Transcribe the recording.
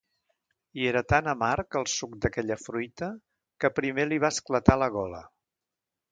I era tan amarg el suc d'aquella fruita que primer li va esclatar la gola.